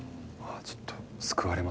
ちょっと救われますね。